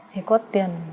thì có tiền